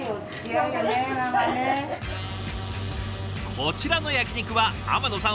こちらの焼き肉は天野さん